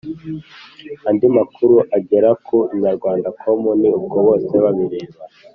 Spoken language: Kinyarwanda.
andi makuru agera ku inyarwandacom ni uko bosebabireba